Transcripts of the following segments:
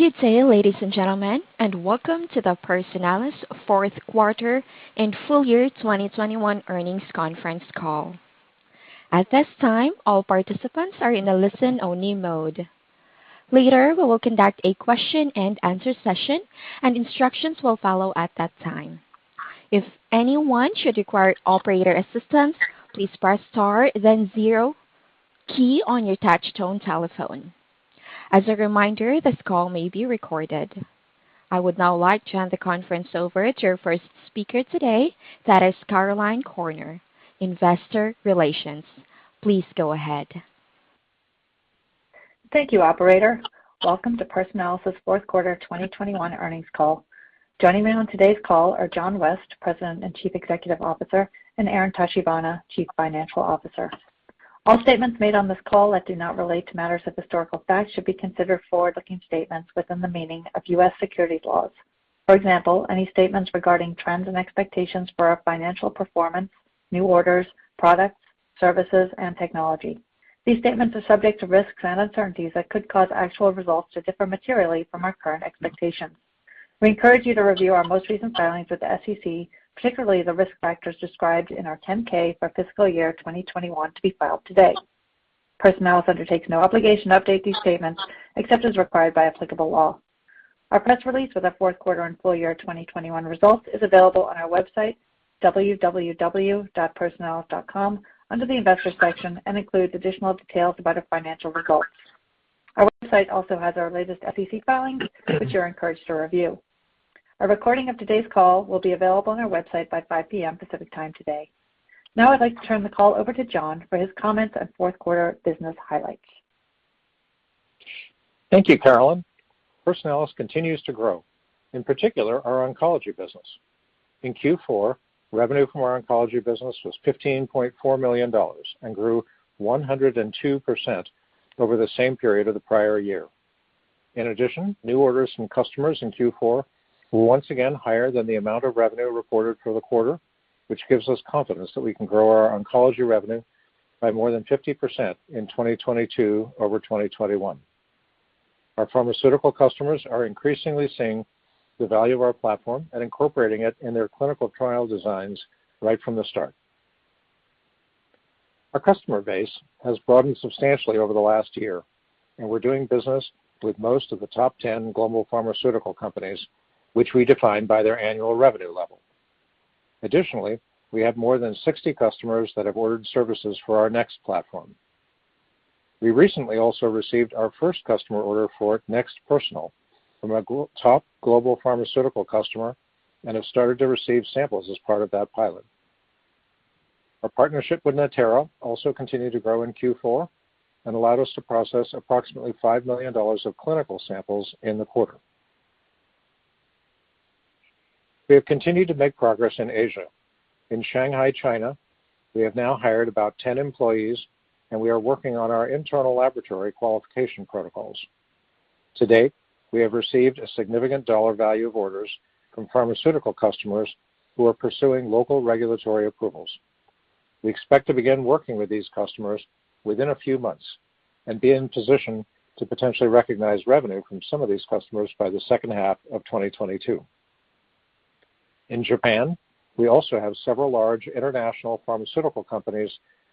Good day, ladies and gentlemen, and welcome to the Personalis fourth quarter and full year 2021 earnings conference call. At this time, all participants are in a listen-only mode. Later, we will conduct a question-and-answer session and instructions will follow at that time. If anyone should require operator assistance, please press star, then zero key on your touch-tone telephone. As a reminder, this call may be recorded. I would now like to turn the conference over to your first speaker today, that is Caroline Corner, Investor Relations. Please go ahead. Thank you, operator. Welcome to Personalis' fourth quarter 2021 earnings call. Joining me on today's call are John West, President and Chief Executive Officer, and Aaron Tachibana, Chief Financial Officer. All statements made on this call that do not relate to matters of historical fact should be considered forward-looking statements within the meaning of U.S. securities laws. For example, any statements regarding trends and expectations for our financial performance, new orders, products, services, and technology. These statements are subject to risks and uncertainties that could cause actual results to differ materially from our current expectations. We encourage you to review our most recent filings with the SEC, particularly the risk factors described in our 10-K for fiscal year 2021 to be filed today. Personalis undertakes no obligation to update these statements except as required by applicable law. Our press release for the fourth quarter and full year 2021 results is available on our website, www.personalis.com, under the Investors section, and includes additional details about our financial results. Our website also has our latest SEC filings, which you're encouraged to review. A recording of today's call will be available on our website by 5:00 P.M. Pacific Time today. Now I'd like to turn the call over to John for his comments on fourth quarter business highlights. Thank you, Caroline. Personalis continues to grow, in particular our oncology business. In Q4, revenue from our oncology business was $15.4 million and grew 102% over the same period of the prior year. In addition, new orders from customers in Q4 were once again higher than the amount of revenue reported for the quarter, which gives us confidence that we can grow our oncology revenue by more than 50% in 2022 over 2021. Our pharmaceutical customers are increasingly seeing the value of our platform and incorporating it in their clinical trial designs right from the start. Our customer base has broadened substantially over the last year, and we're doing business with most of the top 10 global pharmaceutical companies, which we define by their annual revenue level. Additionally, we have more than 60 customers that have ordered services for our NeXT platform. We recently also received our first customer order for NeXT Personal from a top global pharmaceutical customer and have started to receive samples as part of that pilot. Our partnership with Natera also continued to grow in Q4 and allowed us to process approximately $5 million of clinical samples in the quarter. We have continued to make progress in Asia. In Shanghai, China, we have now hired about 10 employees, and we are working on our internal laboratory called patient protocols. To date, we have received a significant dollar value of orders from pharmaceutical customers who are pursuing local regulatory approvals. We expect to begin working with these customers within a few months and be in position to potentially recognize revenue from some of these customers by the second half of 2022. In Japan, we also have several large international pharmaceutical companies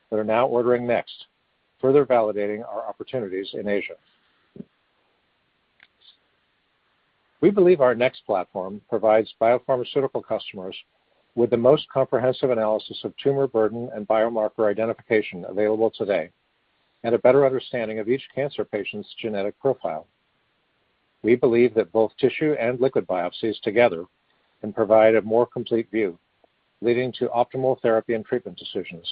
that are now ordering NeXT, further validating our opportunities in Asia. We believe our NeXT platform provides biopharmaceutical customers with the most comprehensive analysis of tumor burden and biomarker identification available today, and a better understanding of each cancer patient's genetic profile. We believe that both tissue and liquid biopsies together can provide a more complete view, leading to optimal therapy and treatment decisions.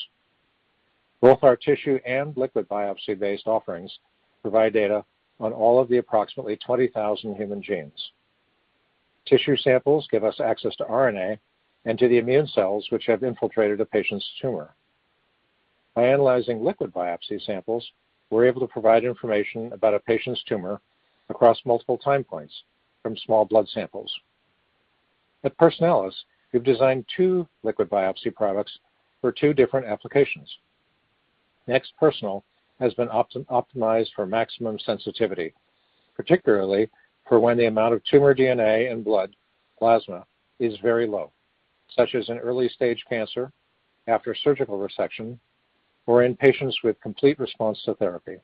Both our tissue and liquid biopsy-based offerings provide data on all of the approximately 20,000 human genes. Tissue samples give us access to RNA and to the immune cells which have infiltrated a patient's tumor. By analyzing liquid biopsy samples, we're able to provide information about a patient's tumor across multiple time points from small blood samples. At Personalis, we've designed two liquid biopsy products for two different applications. NeXT Personal has been optimized for maximum sensitivity, particularly for when the amount of tumor DNA in blood plasma is very low, such as in early-stage cancer after surgical resection or in patients with complete response to therapy.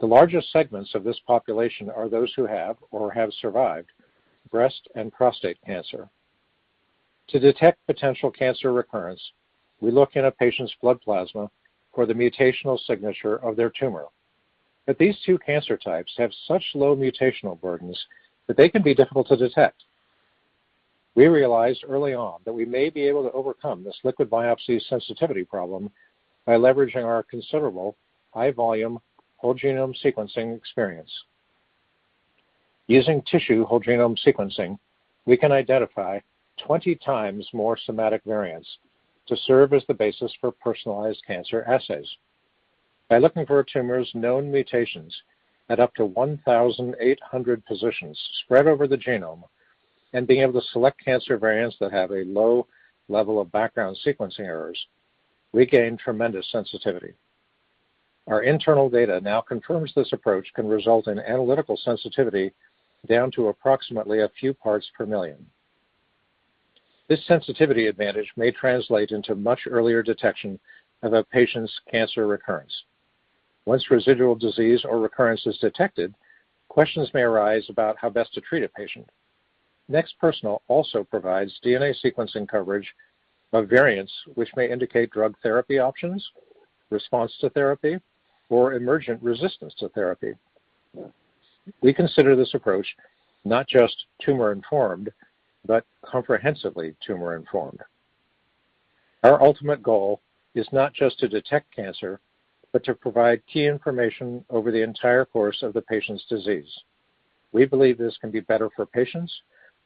The largest segments of this population are those who have or have survived breast and prostate cancer. To detect potential cancer recurrence, we look in a patient's blood plasma for the mutational signature of their tumor. These two cancer types have such low mutational burdens that they can be difficult to detect. We realized early on that we may be able to overcome this liquid biopsy sensitivity problem by leveraging our considerable high-volume whole genome sequencing experience. Using tissue whole genome sequencing, we can identify 20 times more somatic variants to serve as the basis for personalized cancer assays. By looking for a tumor's known mutations at up to 1,800 positions spread over the genome and being able to select cancer variants that have a low level of background sequencing errors. We gain tremendous sensitivity. Our internal data now confirms this approach can result in analytical sensitivity down to approximately a few parts per million. This sensitivity advantage may translate into much earlier detection of a patient's cancer recurrence. Once residual disease or recurrence is detected, questions may arise about how best to treat a patient. NeXT Personal also provides DNA sequencing coverage of variants which may indicate drug therapy options, response to therapy, or emergent resistance to therapy. We consider this approach not just tumor-informed, but comprehensively tumor-informed. Our ultimate goal is not just to detect cancer, but to provide key information over the entire course of the patient's disease. We believe this can be better for patients,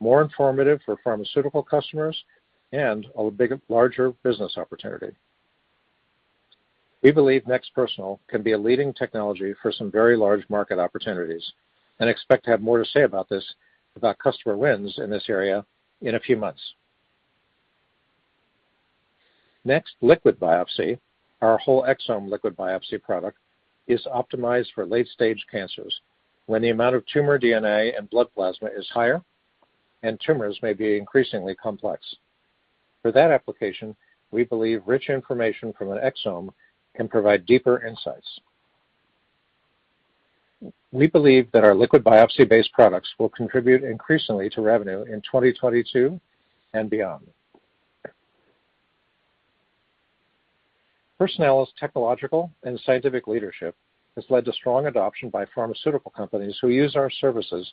more informative for pharmaceutical customers, and a larger business opportunity. We believe NeXT Personal can be a leading technology for some very large market opportunities and expect to have more to say about this, about customer wins in this area in a few months. NeXT Liquid Biopsy, our whole exome liquid biopsy product is optimized for late-stage cancers, when the amount of tumor DNA in blood plasma is higher and tumors may be increasingly complex. For that application, we believe rich information from an exome can provide deeper insights. We believe that our liquid biopsy-based products will contribute increasingly to revenue in 2022 and beyond. Personalis's technological and scientific leadership has led to strong adoption by pharmaceutical companies who use our services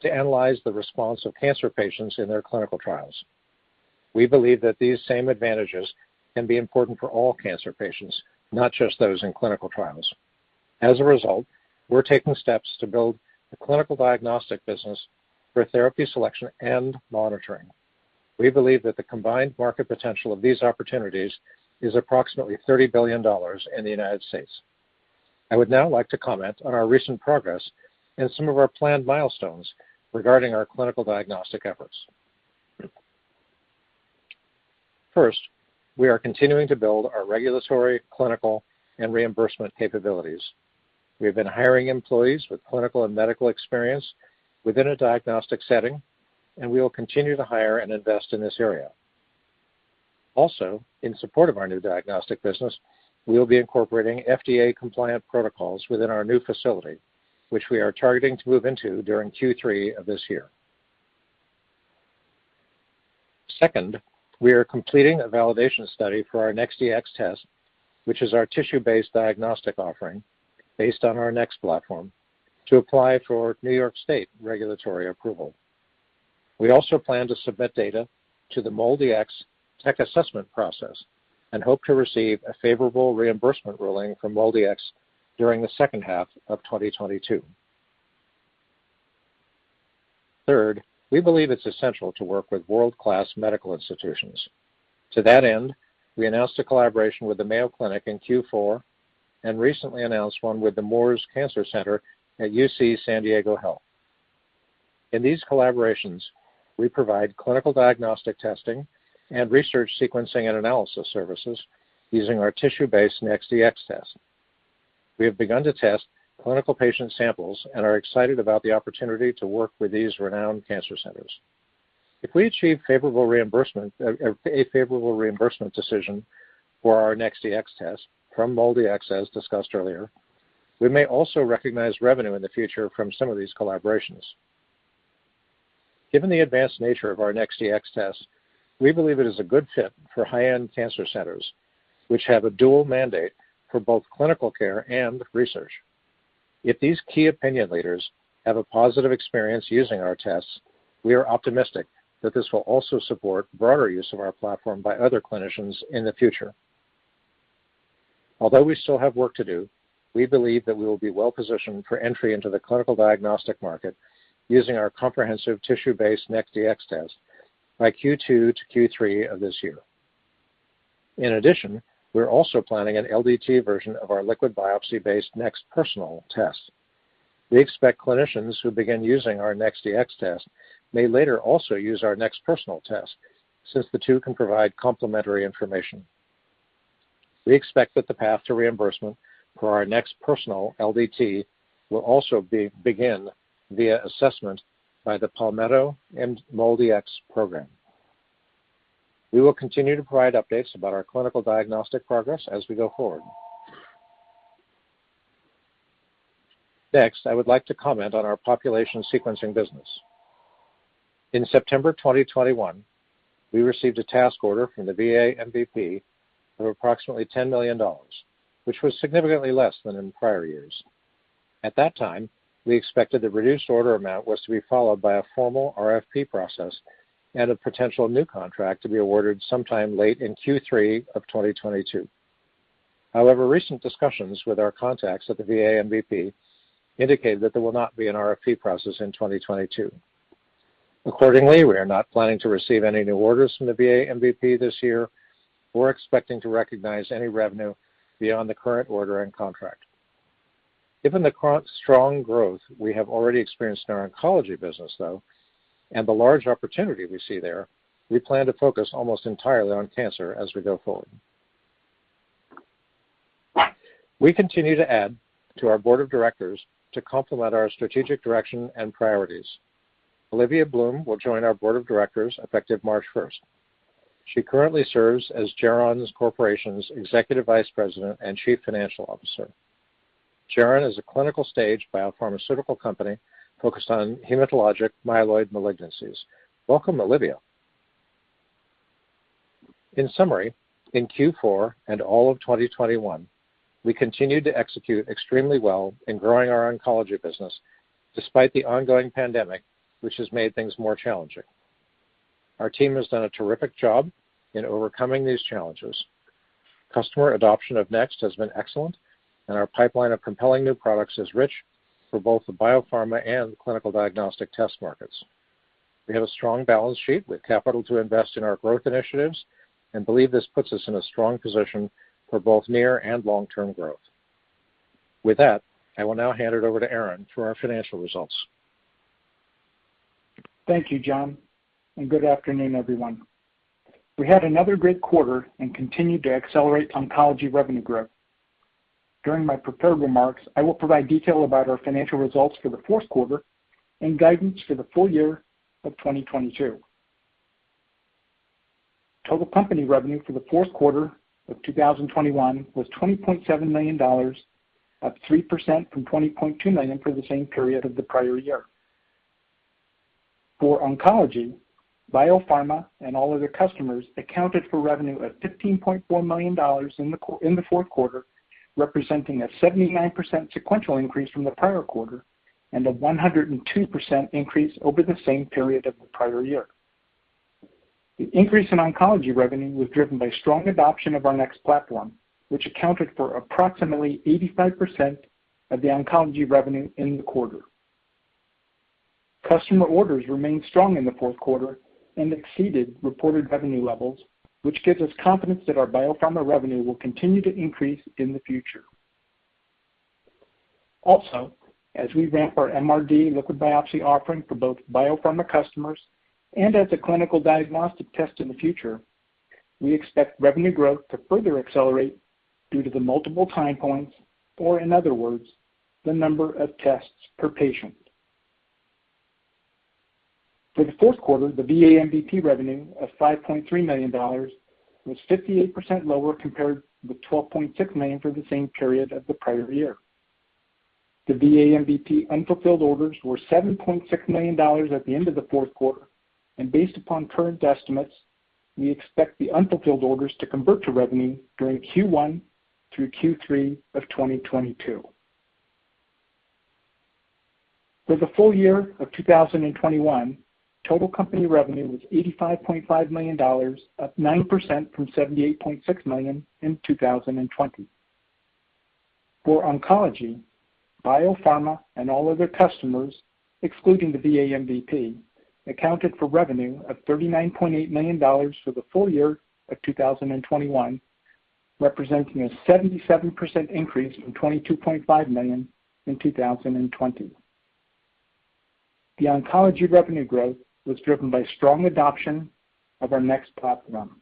to analyze the response of cancer patients in their clinical trials. We believe that these same advantages can be important for all cancer patients, not just those in clinical trials. As a result, we're taking steps to build a clinical diagnostic business for therapy selection and monitoring. We believe that the combined market potential of these opportunities is approximately $30 billion in the United States. I would now like to comment on our recent progress and some of our planned milestones regarding our clinical diagnostic efforts. First, we are continuing to build our regulatory, clinical, and reimbursement capabilities. We have been hiring employees with clinical and medical experience within a diagnostic setting, and we will continue to hire and invest in this area. Also, in support of our new diagnostic business, we will be incorporating FDA-compliant protocols within our new facility, which we are targeting to move into during Q3 of this year. Second, we are completing a validation study for our NeXT Dx test, which is our tissue-based diagnostic offering based on our NeXT platform, to apply for New York State regulatory approval. We also plan to submit data to the MolDx tech assessment process and hope to receive a favorable reimbursement ruling from MolDx during the second half of 2022. Third, we believe it's essential to work with world-class medical institutions. To that end, we announced a collaboration with the Mayo Clinic in Q4 and recently announced one with the Moores Cancer Center at UC San Diego Health. In these collaborations, we provide clinical diagnostic testing and research sequencing and analysis services using our tissue-based NeXT Dx test. We have begun to test clinical patient samples and are excited about the opportunity to work with these renowned cancer centers. If we achieve favorable reimbursement, a favorable reimbursement decision for our NeXT Dx test from MolDx, as discussed earlier, we may also recognize revenue in the future from some of these collaborations. Given the advanced nature of our NeXT Dx test, we believe it is a good fit for high-end cancer centers, which have a dual mandate for both clinical care and research. If these key opinion leaders have a positive experience using our tests, we are optimistic that this will also support broader use of our platform by other clinicians in the future. Although we still have work to do, we believe that we will be well-positioned for entry into the clinical diagnostic market using our comprehensive tissue-based NeXT Dx test by Q2 to Q3 of this year. In addition, we're also planning an LDT version of our liquid biopsy-based NeXT Personal test. We expect clinicians who begin using our NeXT Dx test may later also use our NeXT Personal test, since the two can provide complementary information. We expect that the path to reimbursement for our NeXT Personal LDT will also begin via assessment by the Palmetto and MolDx program. We will continue to provide updates about our clinical diagnostic progress as we go forward. Next, I would like to comment on our population sequencing business. In September 2021, we received a task order from the VA MVP of approximately $10 million, which was significantly less than in prior years. At that time, we expected the reduced order amount was to be followed by a formal RFP process and a potential new contract to be awarded sometime late in Q3 of 2022. However, recent discussions with our contacts at the VA MVP indicate that there will not be an RFP process in 2022. Accordingly, we are not planning to receive any new orders from the VA MVP this year or expecting to recognize any revenue beyond the current order-end contract. Given the strong growth we have already experienced in our oncology business, though, and the large opportunity we see there, we plan to focus almost entirely on cancer as we go forward. We continue to add to our board of directors to complement our strategic direction and priorities. Olivia Bloom will join our board of directors effective March 1st. She currently serves as Geron Corporation's Executive Vice President and Chief Financial Officer. Geron is a clinical-stage biopharmaceutical company focused on hematologic myeloid malignancies. Welcome, Olivia. In summary, in Q4 and all of 2021, we continued to execute extremely well in growing our oncology business, despite the ongoing pandemic, which has made things more challenging. Our team has done a terrific job in overcoming these challenges. Customer adoption of NeXT has been excellent, and our pipeline of compelling new products is rich for both the biopharma and clinical diagnostic test markets. We have a strong balance sheet with capital to invest in our growth initiatives and believe this puts us in a strong position for both near and long-term growth. With that, I will now hand it over to Aaron for our financial results. Thank you, John, and good afternoon, everyone. We had another great quarter and continued to accelerate oncology revenue growth. During my prepared remarks, I will provide detail about our financial results for the fourth quarter and guidance for the full year of 2022. Total company revenue for the fourth quarter of 2021 was $27 million, up 3% from $20.2 million for the same period of the prior year. For oncology, biopharma and all other customers accounted for revenue of $15.4 million in the fourth quarter, representing a 79% sequential increase from the prior quarter and a 102% increase over the same period of the prior year. The increase in oncology revenue was driven by strong adoption of our NeXT platform, which accounted for approximately 85% of the oncology revenue in the quarter. Customer orders remained strong in the fourth quarter and exceeded reported revenue levels, which gives us confidence that our biopharma revenue will continue to increase in the future. Also, as we ramp our MRD liquid biopsy offering for both biopharma customers and as a clinical diagnostic test in the future, we expect revenue growth to further accelerate due to the multiple time points, or in other words, the number of tests per patient. For the fourth quarter, the VA MVP revenue of $5.3 million was 58% lower compared with $12.6 million for the same period of the prior year. The VA MVP unfulfilled orders were $7.6 million at the end of the fourth quarter, and based upon current estimates, we expect the unfulfilled orders to convert to revenue during Q1 through Q3 of 2022. For the full year of 2021, total company revenue was $85.5 million, up 9% from $78.6 million in 2020. For oncology, biopharma and all other customers, excluding the VA MVP, accounted for revenue of $39.8 million for the full year of 2021, representing a 77% increase from $22.5 million in 2020. The oncology revenue growth was driven by strong adoption of our NeXT platform.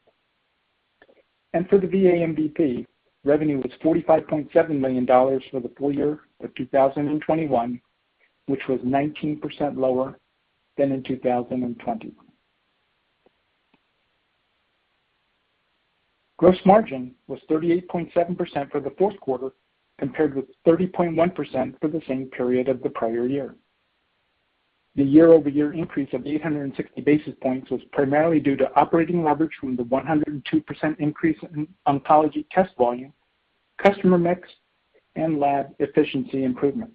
For the VA MVP, revenue was $45.7 million for the full year of 2021, which was 19% lower than in 2020. Gross margin was 38.7% for the fourth quarter, compared with 30.1% for the same period of the prior year. The year-over-year increase of 860 basis points was primarily due to operating leverage from the 102% increase in oncology test volume, customer mix, and lab efficiency improvement.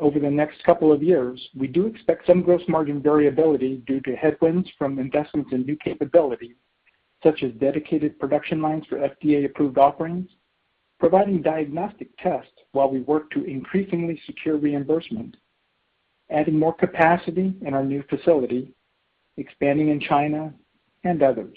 Over the next couple of years, we do expect some gross margin variability due to headwinds from investments in new capability, such as dedicated production lines for FDA-approved offerings, providing diagnostic tests while we work to increasingly secure reimbursement, adding more capacity in our new facility, expanding in China and others.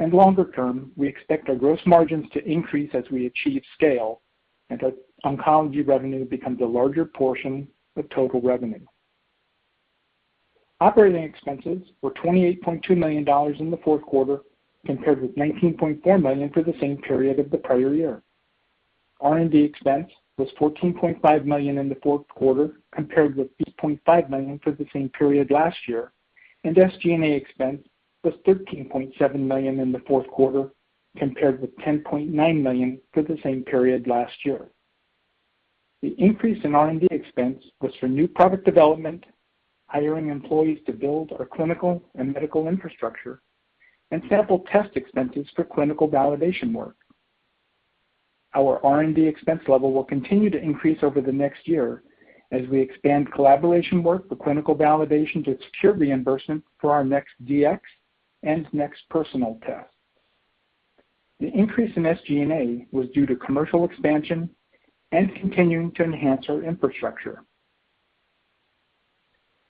Longer-term, we expect our gross margins to increase as we achieve scale and as oncology revenue becomes a larger portion of total revenue. Operating expenses were $28.2 million in the fourth quarter, compared with $19.4 million for the same period of the prior year. R&D expense was $14.5 million in the fourth quarter, compared with $3.5 million for the same period last year, and SG&A expense was $13.7 million in the fourth quarter, compared with $10.9 million for the same period last year. The increase in R&D expense was for new product development, hiring employees to build our clinical and medical infrastructure, and sample test expenses for clinical validation work. Our R&D expense level will continue to increase over the next year as we expand collaboration work for clinical validation to secure reimbursement for our NeXT Dx and NeXT Personal tests. The increase in SG&A was due to commercial expansion and continuing to enhance our infrastructure.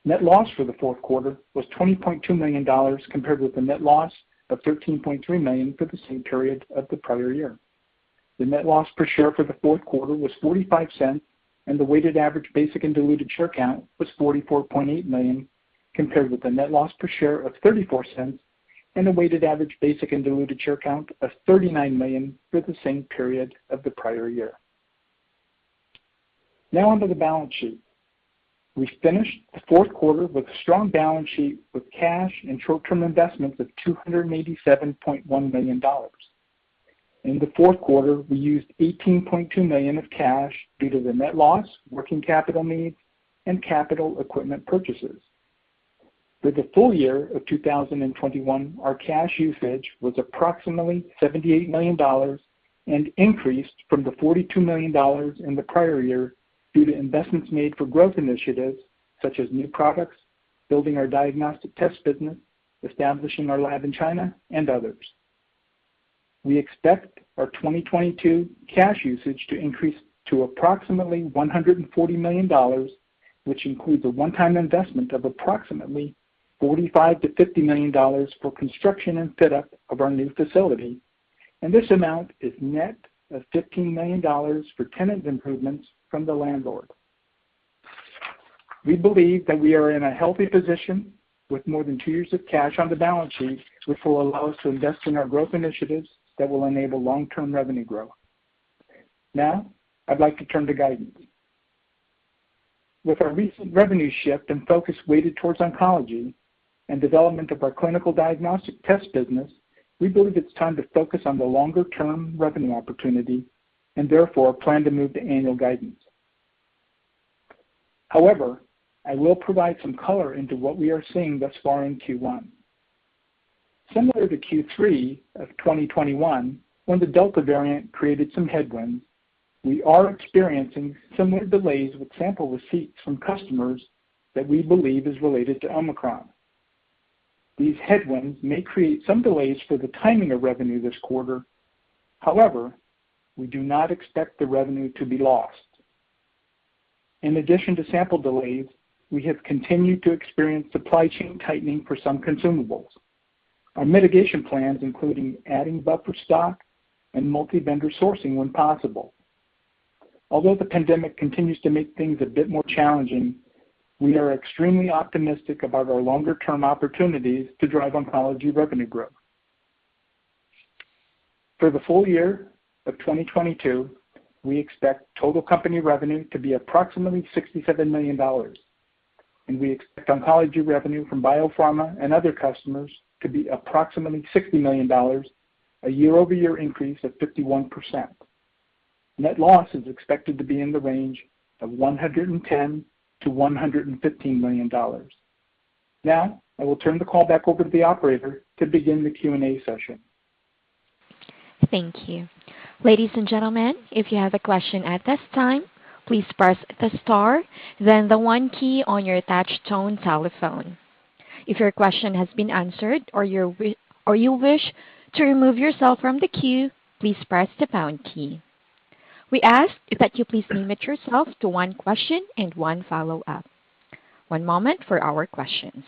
Net loss for the fourth quarter was $20.2 million compared with the net loss of $13.3 million for the same period of the prior year. The net loss per share for the fourth quarter was $0.45, and the weighted average basic and diluted share count was 44.8 million, compared with the net loss per share of $0.34 and a weighted average basic and diluted share count of 39 million for the same period of the prior year. Now on to the balance sheet. We finished the fourth quarter with a strong balance sheet with cash and short-term investments of $287.1 million. In the fourth quarter, we used $18.2 million of cash due to the net loss, working capital needs, and capital equipment purchases. For the full year of 2021, our cash usage was approximately $78 million and increased from the $42 million in the prior year due to investments made for growth initiatives such as new products, building our diagnostic test business, establishing our lab in China, and others. We expect our 2022 cash usage to increase to approximately $140 million, which includes a one-time investment of approximately $45 million-$50 million for construction and fit-out of our new facility, and this amount is net of $15 million for tenant improvements from the landlord. We believe that we are in a healthy position with more than two years of cash on the balance sheet, which will allow us to invest in our growth initiatives that will enable long-term revenue growth. Now I'd like to turn to guidance. With our recent revenue shift and focus weighted towards oncology and development of our clinical diagnostic test business, we believe it's time to focus on the longer-term revenue opportunity and therefore plan to move to annual guidance. However, I will provide some color into what we are seeing thus far in Q1. Similar to Q3 of 2021, when the Delta variant created some headwinds, we are experiencing similar delays with sample receipts from customers that we believe is related to Omicron. These headwinds may create some delays for the timing of revenue this quarter. However, we do not expect the revenue to be lost. In addition to sample delays, we have continued to experience supply chain tightening for some consumables. Our mitigation plans, including adding buffer stock and multi-vendor sourcing when possible. Although the pandemic continues to make things a bit more challenging, we are extremely optimistic about our longer-term opportunities to drive oncology revenue growth. For the full year of 2022, we expect total company revenue to be approximately $67 million, and we expect oncology revenue from biopharma and other customers to be approximately $60 million, a year-over-year increase of 51%. Net loss is expected to be in the range of $110 million-$115 million. Now, I will turn the call back over to the operator to begin the Q&A session. Thank you. Ladies and gentlemen, if you have a question at this time, please press the star, then the one key on your touch-tone telephone. If your question has been answered or you wish to remove yourself from the queue, please press the pound key. We ask that you please limit yourself to one question and one follow-up. One moment for our questions.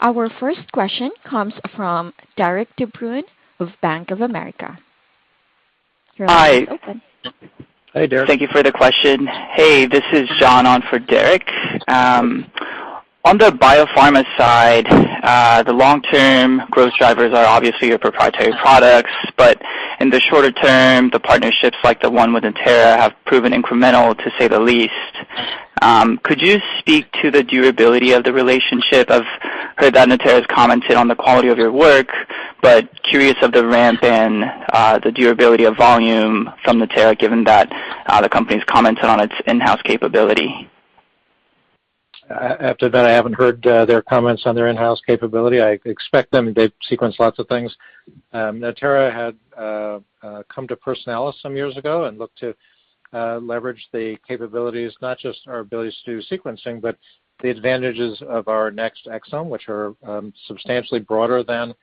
Our first question comes from Derik De Bruin of Bank of America. Your line is open. Hi. Hi, Derik. Thank you for the question. Hey, this is John on for Derik. On the biopharma side, the long-term growth drivers are obviously your proprietary products, but in the shorter term, the partnerships like the one with Natera have proven incremental, to say the least. Could you speak to the durability of the relationship? I've heard that Natera's commented on the quality of your work, but curious of the ramp and, the durability of volume from Natera, given that, the company's commented on its in-house capability. I have to admit, I haven't heard their comments on their in-house capability. I expect them. They've sequenced lots of things. Natera had come to Personalis some years ago and looked to leverage the capabilities, not just our ability to do sequencing, but the advantages of our NeXT Exome, which are substantially broader than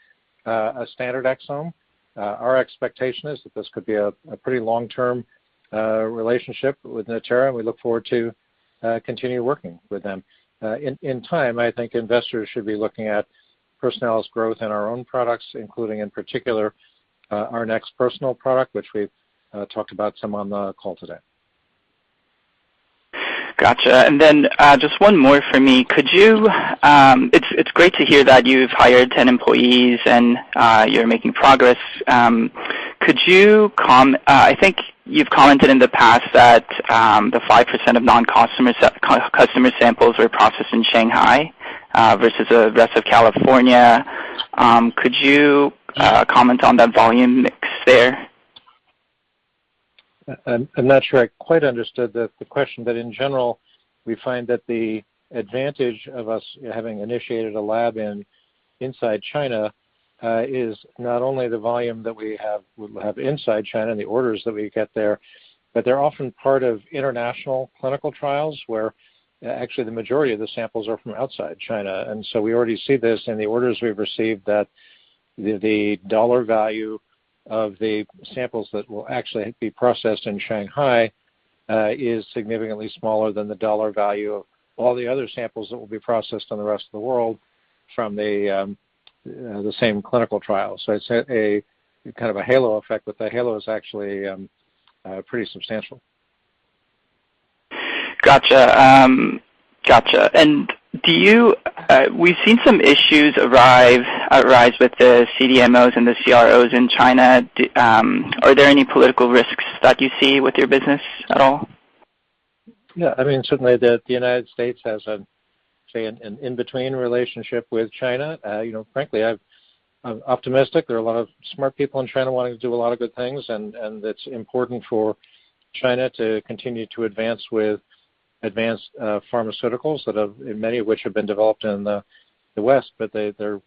a standard exome. Our expectation is that this could be a pretty long-term relationship with Natera, and we look forward to continue working with them. In time, I think investors should be looking at Personalis' growth in our own products, including, in particular, our NeXT Personal product, which we've talked about some on the call today. Gotcha. Just one more for me. Could you... it's great to hear that you've hired 10 employees and you're making progress. Could you comment, I think you've commented in the past that the 5% of non-customer samples were processed in Shanghai versus the rest of California. Could you comment on that volume mix there? I'm not sure I quite understood the question, but in general, we find that the advantage of us having initiated a lab inside China is not only the volume that we have inside China and the orders that we get there, but they're often part of international clinical trials where actually the majority of the samples are from outside China. We already see this in the orders we've received that the dollar value of the samples that will actually be processed in Shanghai is significantly smaller than the dollar value of all the other samples that will be processed in the rest of the world from the same clinical trial. It's a kind of a halo effect, but the halo is actually pretty substantial. Gotcha. We've seen some issues arise with the CDMOs and the CROs in China. Are there any political risks that you see with your business at all? Yeah. I mean, certainly the United States has, say, an in-between relationship with China. You know, frankly, I'm optimistic. There are a lot of smart people in China wanting to do a lot of good things. It's important for China to continue to advance with advanced pharmaceuticals, many of which have been developed in the West, but they're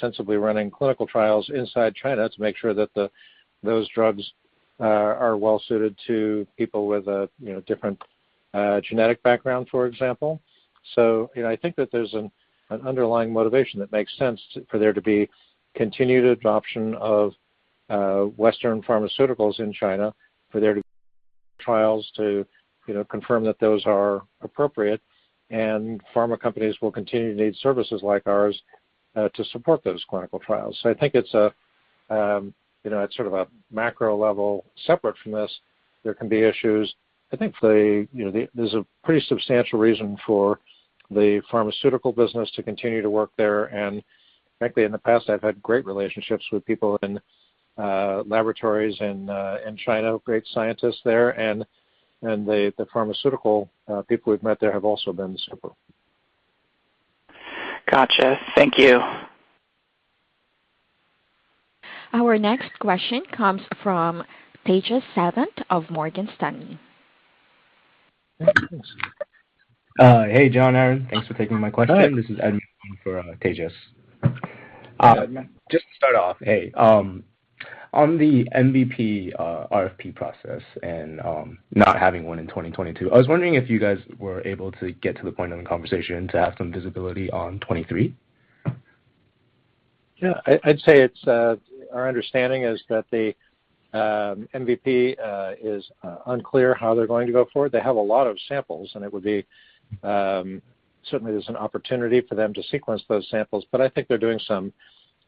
sensibly running clinical trials inside China to make sure that those drugs are well suited to people with a different genetic background, for example. You know, I think that there's an underlying motivation that makes sense for there to be continued adoption of Western pharmaceuticals in China, for there to be trials to confirm that those are appropriate. Pharma companies will continue to need services like ours to support those clinical trials. I think it's a you know, it's sort of a macro level separate from this. There can be issues. I think the you know, there's a pretty substantial reason for the pharmaceutical business to continue to work there. Frankly, in the past, I've had great relationships with people in laboratories in China, great scientists there. The pharmaceutical people we've met there have also been super. Gotcha. Thank you. Our next question comes from Tejas Savant of Morgan Stanley. Hey, John, Aaron. Thanks for taking my question. Hi. This is Ed speaking for Tejas. Yeah. Just to start off, hey, on the MVP RFP process and not having one in 2022, I was wondering if you guys were able to get to the point in the conversation to have some visibility on 2023. I'd say it's our understanding that the MVP is unclear how they're going to go forward. They have a lot of samples, and certainly there's an opportunity for them to sequence those samples. But I think they're doing some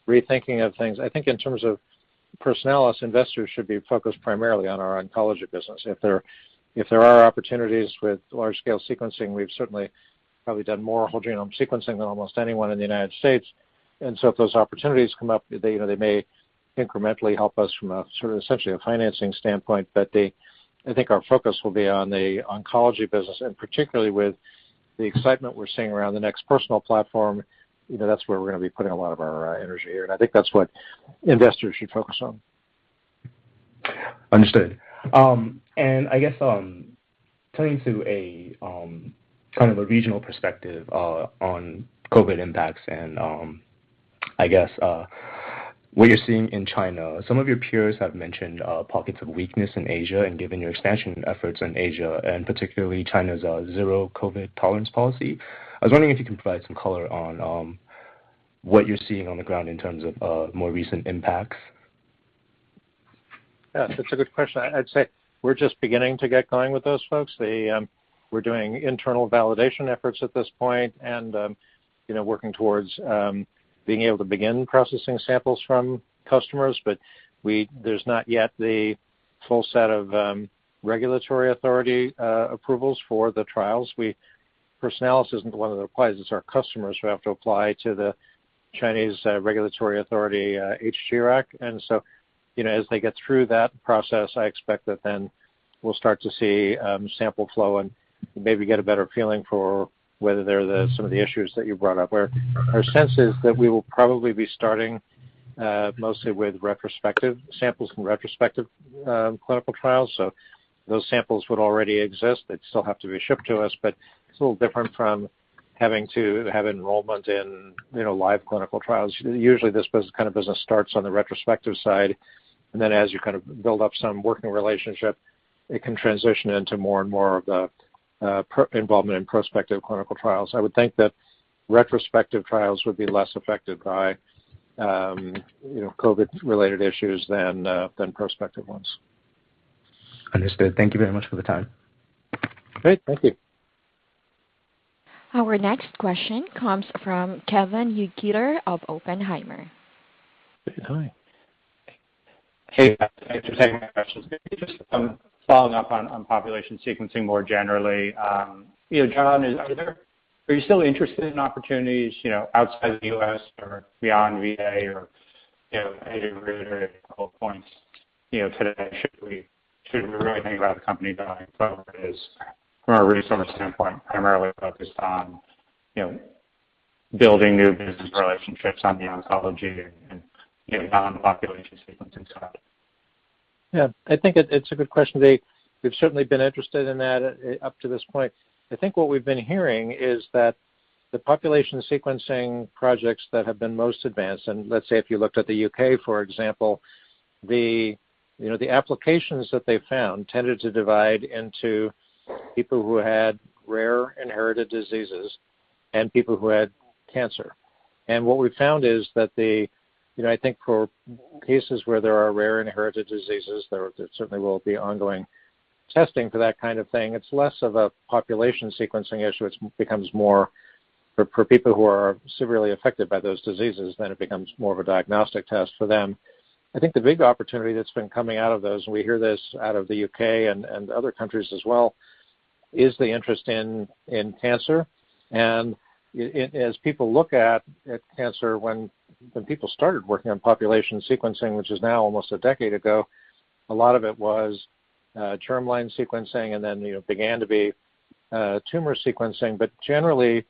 rethinking of things. I think in terms of Personalis, investors should be focused primarily on our oncology business. If there are opportunities with large-scale sequencing, we've certainly probably done more whole genome sequencing than almost anyone in the United States. If those opportunities come up, they, you know, may incrementally help us from a sort of essentially a financing standpoint. I think our focus will be on the oncology business, and particularly with the excitement we're seeing around the NeXT Personal platform, you know, that's where we're gonna be putting a lot of our energy here. I think that's what investors should focus on. Understood. I guess, turning to a kind of a regional perspective on COVID impacts and, I guess, what you're seeing in China, some of your peers have mentioned pockets of weakness in Asia and given your expansion efforts in Asia, and particularly China's zero COVID tolerance policy. I was wondering if you can provide some color on what you're seeing on the ground in terms of more recent impacts? Yeah, that's a good question. I'd say we're just beginning to get going with those folks. They, we're doing internal validation efforts at this point and, you know, working towards being able to begin processing samples from customers. But there's not yet the full set of regulatory authority approvals for the trials. Personalis isn't the one that applies, it's our customers who have to apply to the Chinese regulatory authority, HGRAC. You know, as they get through that process, I expect that then we'll start to see sample flow and maybe get a better feeling for whether they're some of the issues that you brought up. Our sense is that we will probably be starting mostly with retrospective samples from retrospective clinical trials. Those samples would already exist. They'd still have to be shipped to us, but it's a little different from having to have enrollment in, you know, live clinical trials. Usually, this kind of business starts on the retrospective side, and then as you kind of build up some working relationship, it can transition into more and more of the involvement in prospective clinical trials. I would think that retrospective trials would be less affected by, you know, COVID-related issues than prospective ones. Understood. Thank you very much for the time. Great. Thank you. Our next question comes from Kevin DeGeeter of Oppenheimer. Hi. Hey, thanks for taking my questions. Maybe just following up on population sequencing more generally, you know, John, are you still interested in opportunities, you know, outside the U.S. or beyond VA or, you know, maybe reiterate a couple of points, you know, today. Should we really think about the company going forward from a resource standpoint primarily focused on, you know, building new business relationships on the oncology and, you know, non-population sequencing stuff? Yeah. I think it's a good question, Kevin. We've certainly been interested in that up to this point. I think what we've been hearing is that the population sequencing projects that have been most advanced, and let's say if you looked at the U.K., for example. You know, the applications that they found tended to divide into people who had rare inherited diseases and people who had cancer. What we found is that. You know, I think for cases where there are rare inherited diseases, there certainly will be ongoing testing for that kind of thing. It's less of a population sequencing issue, it becomes more for people who are severely affected by those diseases, then it becomes more of a diagnostic test for them. I think the big opportunity that's been coming out of those, and we hear this out of the U.K. and other countries as well, is the interest in cancer. As people look at cancer when people started working on population sequencing, which is now almost a decade ago, a lot of it was germline sequencing and then, you know, began to be tumor sequencing, but generally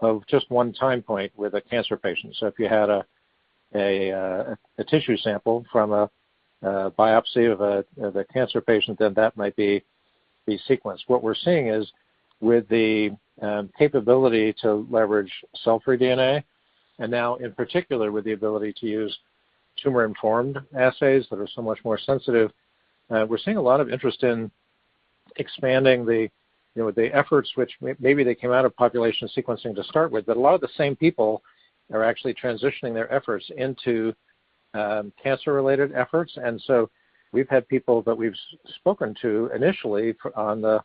of just one time point with a cancer patient. So if you had a tissue sample from a biopsy of a cancer patient, then that might be the sequence. What we're seeing is, with the capability to leverage cell-free DNA, and now in particular with the ability to use tumor-informed assays that are so much more sensitive, we're seeing a lot of interest in expanding the, you know, the efforts which maybe they came out of population sequencing to start with, but a lot of the same people are actually transitioning their efforts into cancer-related efforts. We've had people that we've spoken to initially on the,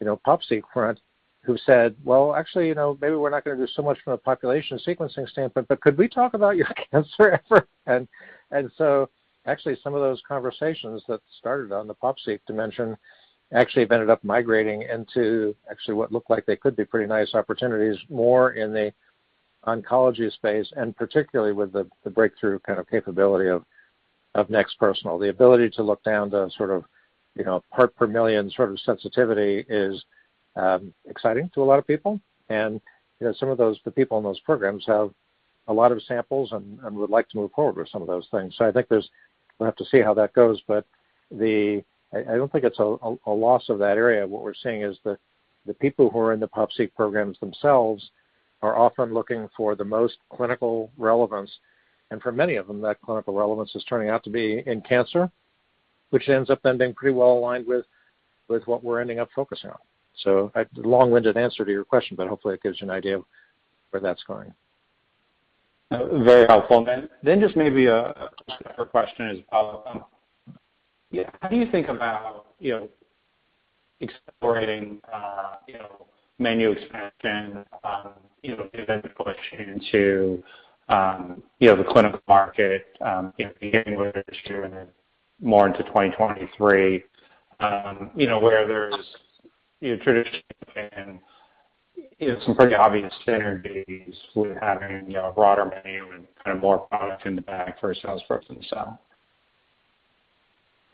you know, pop seq front who said, "Well, actually, you know, maybe we're not gonna do so much from a population sequencing standpoint, but could we talk about your cancer effort?" Actually some of those conversations that started on the pop seq dimension actually have ended up migrating into actually what looked like they could be pretty nice opportunities more in the oncology space, and particularly with the breakthrough kind of capability of NeXT Personal. The ability to look down to sort of, you know, part per million sort of sensitivity is exciting to a lot of people. You know, some of those, the people in those programs have a lot of samples and would like to move forward with some of those things. I think there's, we'll have to see how that goes, but I don't think it's a loss of that area. What we're seeing is that the people who are in the pop seq programs themselves are often looking for the most clinical relevance, and for many of them that clinical relevance is turning out to be in cancer, which ends up then being pretty well aligned with what we're ending up focusing on. So a long-winded answer to your question, but hopefully it gives you an idea of where that's going. Very helpful. Then just maybe a quick question is, how do you think about, you know, exploring, you know, menu expansion, you know, given the push into, you know, the clinical market, you know, beginning with this year and then more into 2023, you know, where there's, you know, some pretty obvious synergies with having, you know, a broader menu and kind of more product in the bag for a salesperson to sell?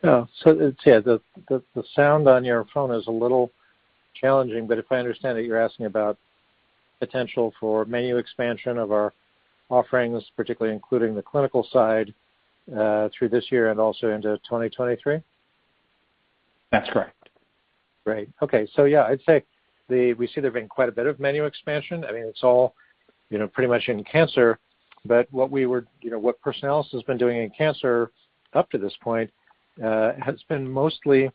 Yeah. So I'd say that the sound on your phone is a little challenging, but if I understand it, you're asking about potential for menu expansion of our offerings, particularly including the clinical side, through this year and also into 2023? That's correct. Great. Okay. Yeah, I'd say we see there being quite a bit of menu expansion. I mean, it's all, you know, pretty much in cancer, but what Personalis has been doing in cancer up to this point has been mostly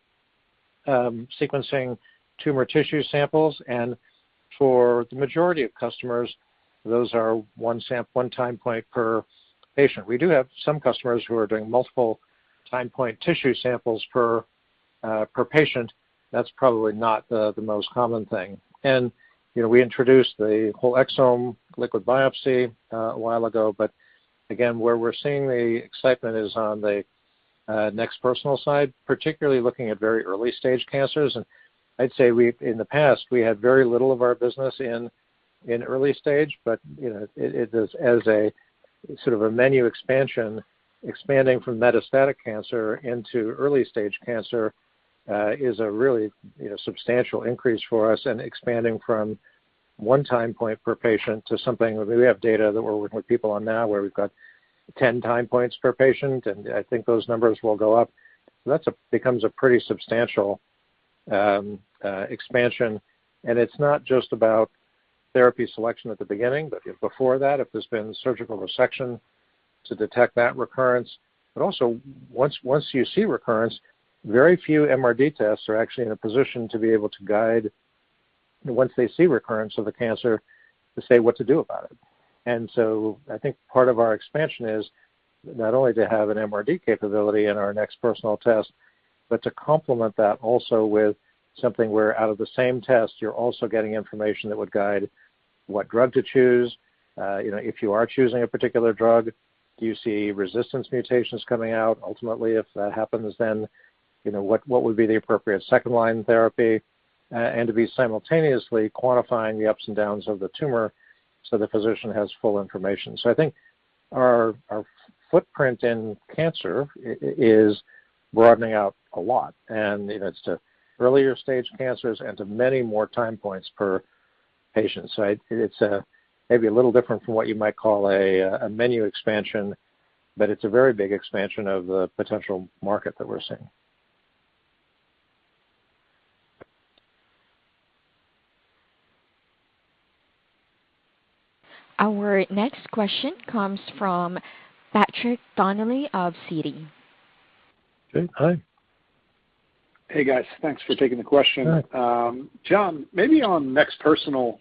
sequencing tumor tissue samples, and for the majority of customers, those are one time point per patient. We do have some customers who are doing multiple time point tissue samples per patient. That's probably not the most common thing. You know, we introduced the whole exome liquid biopsy a while ago, but again, where we're seeing the excitement is on the NeXT Personal side, particularly looking at very early-stage cancers. I'd say in the past, we had very little of our business in early stage, but you know, it is as a sort of a menu expansion, expanding from metastatic cancer into early stage cancer is a really you know substantial increase for us and expanding from one time point per patient to something where we have data that we're working with people on now where we've got 10 time points per patient, and I think those numbers will go up. That becomes a pretty substantial expansion, and it's not just about therapy selection at the beginning, but before that, if there's been surgical resection to detect that recurrence. Also once you see recurrence, very few MRD tests are actually in a position to be able to guide, once they see recurrence of the cancer, to say what to do about it. I think part of our expansion is not only to have an MRD capability in our NeXT Personal test, but to complement that also with something where out of the same test, you're also getting information that would guide what drug to choose. You know, if you are choosing a particular drug, do you see resistance mutations coming out? Ultimately, if that happens, then, you know, what would be the appropriate second-line therapy, and to be simultaneously quantifying the ups and downs of the tumor so the physician has full information. I think our footprint in cancer is broadening out a lot, and, you know, it's to earlier stage cancers and to many more time points per patient. It's maybe a little different from what you might call a menu expansion, but it's a very big expansion of the potential market that we're seeing. Our next question comes from Patrick Donnelly of Citi. Okay, hi. Hey guys, thanks for taking the question. Sure. John, maybe on NeXT Personal,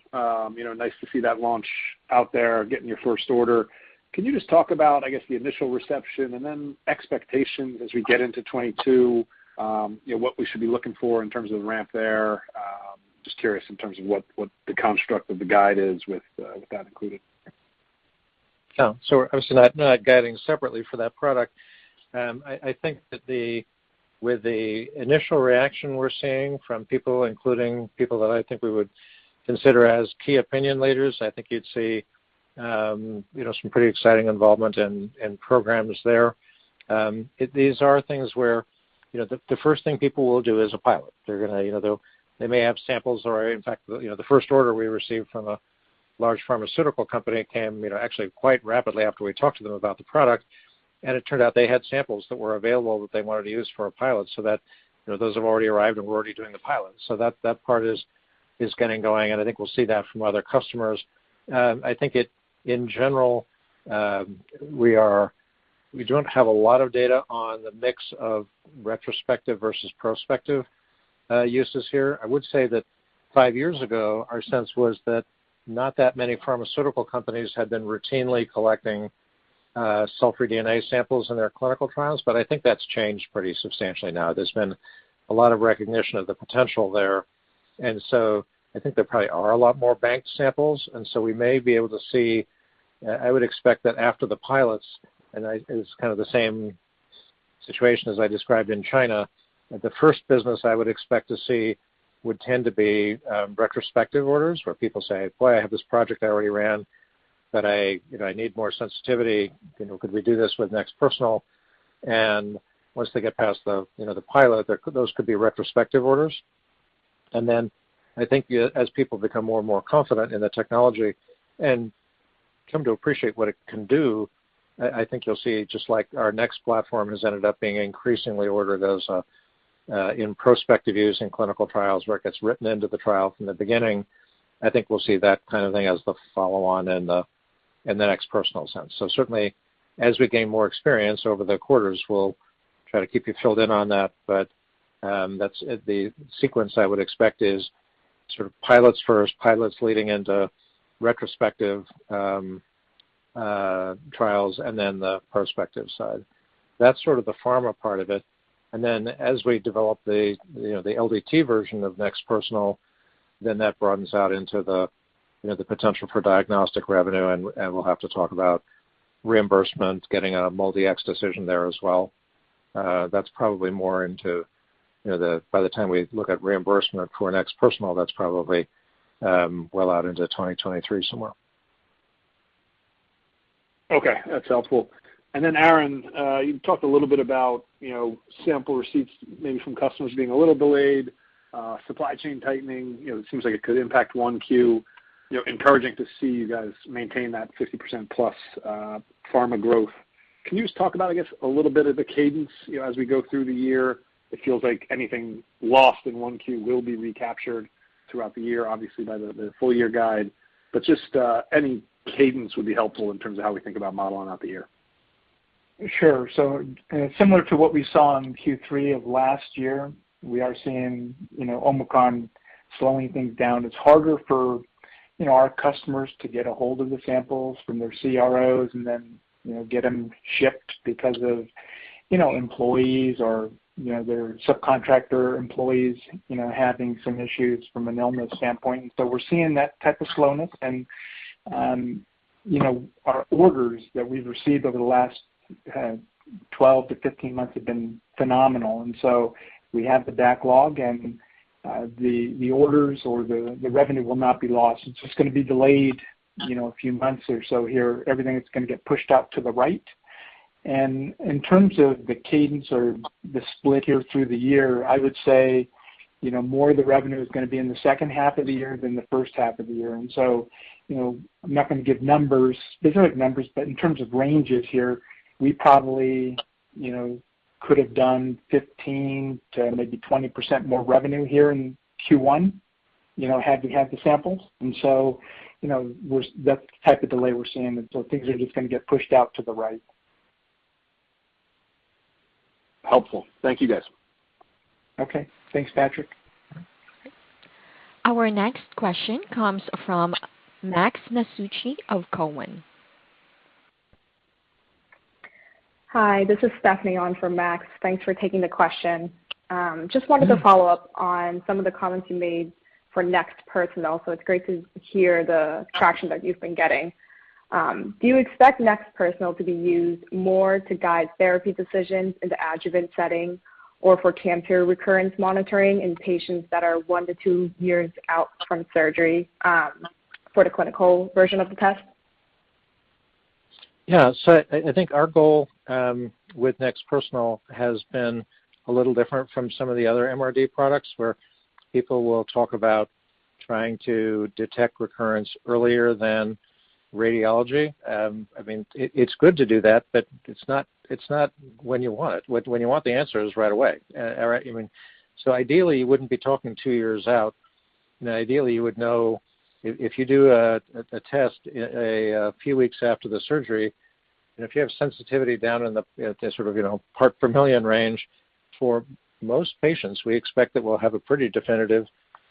you know, nice to see that launch out there, getting your first order. Can you just talk about, I guess, the initial reception and then expectations as we get into 2022, you know, what we should be looking for in terms of the ramp there? Just curious in terms of what the construct of the guide is with that included. Yeah. Obviously not guiding separately for that product. I think with the initial reaction we're seeing from people, including people that I think we would consider as key opinion leaders, I think you'd see, you know, some pretty exciting involvement and programs there. These are things where, you know, the first thing people will do is a pilot. They're gonna, you know, they may have samples or in fact, you know, the first order we received from a large pharmaceutical company came, you know, actually quite rapidly after we talked to them about the product. It turned out they had samples that were available that they wanted to use for a pilot so that, you know, those have already arrived, and we're already doing the pilot. That part is getting going, and I think we'll see that from other customers. I think in general we don't have a lot of data on the mix of retrospective versus prospective uses here. I would say that five years ago, our sense was that not that many pharmaceutical companies had been routinely collecting cell-free DNA samples in their clinical trials, but I think that's changed pretty substantially now. There's been a lot of recognition of the potential there. I think there probably are a lot more banked samples, and so we may be able to see. I would expect that after the pilots, it's kind of the same situation as I described in China. The first business I would expect to see would tend to be retrospective orders, where people say, "Boy, I have this project I already ran, but I, you know, I need more sensitivity. You know, could we do this with NeXT Personal?" Once they get past the pilot, there, those could be retrospective orders. I think as people become more and more confident in the technology and come to appreciate what it can do, I think you'll see just like our NeXT platform has ended up being increasingly ordered as in prospective use in clinical trials, where it gets written into the trial from the beginning. I think we'll see that kind of thing as the follow on in the NeXT Personal sense. Certainly as we gain more experience over the quarters, we'll try to keep you filled in on that. That's the sequence I would expect is sort of pilots first, pilots leading into retrospective trials and then the prospective side. That's sort of the pharma part of it. As we develop the, you know, the LDT version of NeXT Personal, that broadens out into the, you know, the potential for diagnostic revenue and we'll have to talk about reimbursement, getting a MolDx decision there as well. That's probably more into, you know, by the time we look at reimbursement for NeXT Personal, that's probably well out into 2023 somewhere. Okay, that's helpful. Then Aaron, you talked a little bit about, you know, sample receipts maybe from customers being a little delayed, supply chain tightening. You know, it seems like it could impact 1Q. You know, encouraging to see you guys maintain that 50%+ pharma growth. Can you just talk about, I guess, a little bit of the cadence, you know, as we go through the year? It feels like anything lost in 1Q will be recaptured throughout the year, obviously by the full year guide. Just, any cadence would be helpful in terms of how we think about modeling out the year. Sure. Similar to what we saw in Q3 of last year, we are seeing, you know, Omicron slowing things down. It's harder for, you know, our customers to get a hold of the samples from their CROs and then, you know, get them shipped because of, you know, employees or, you know, their subcontractor employees, you know, having some issues from an illness standpoint. We're seeing that type of slowness and, you know, our orders that we've received over the last 12 to 15 months have been phenomenal. We have the backlog and the orders or the revenue will not be lost. It's just gonna be delayed, you know, a few months or so here. Everything is gonna get pushed out to the right. In terms of the cadence or the split here through the year, I would say, you know, more of the revenue is gonna be in the second half of the year than the first half of the year. You know, I'm not gonna give numbers, specific numbers, but in terms of ranges here, we probably, you know, could have done 15% to maybe 20% more revenue here in Q1, you know, had we had the samples. You know, that's the type of delay we're seeing. Things are just gonna get pushed out to the right. Helpful. Thank you, guys. Okay. Thanks, Patrick. Our next question comes from Max Masucci of Cowen. Hi, this is Stephanie on for Max. Thanks for taking the question. Just wanted to follow up on some of the comments you made for NeXT Personal, so it's great to hear the traction that you've been getting. Do you expect NeXT Personal to be used more to guide therapy decisions in the adjuvant setting or for cancer recurrence monitoring in patients that are one to two years out from surgery, for the clinical version of the test? Yeah. I think our goal with NeXT Personal has been a little different from some of the other MRD products where people will talk about trying to detect recurrence earlier than radiology. I mean, it's good to do that, but it's not when you want it. When you want the answer is right away. All right, I mean, ideally you wouldn't be talking two years out. Ideally, you would know if you do a test a few weeks after the surgery, and if you have sensitivity down in the sort of, you know, part per million range, for most patients, we expect that we'll have a pretty definitive